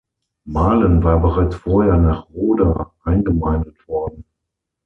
Mahlen war bereits vorher nach Roda eingemeindet worden.